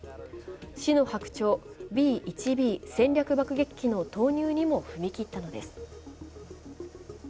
死の白鳥・Ｂ１Ｂ戦略爆撃機の投入にも踏み切ったのです。